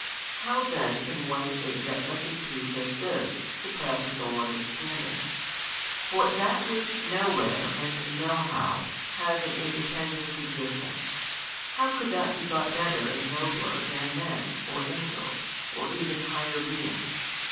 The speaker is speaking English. How then can one think that such a peace as this surpasses all understanding? For that which nowhere and nohow has an independent existence, how could that be thought better and nobler than men, or angels, or even higher beings?